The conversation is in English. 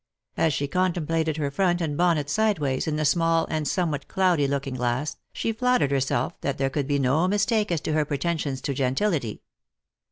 As she contemplated her front and bonnet sideways in the small and somewhat cloudy looking glass, she flattered herself that there could be no mistake as to her pretensions to gentility.